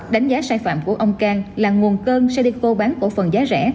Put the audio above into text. đánh giá sai phạm của ông cang là nguồn cơn senico bán cổ phần giá rẻ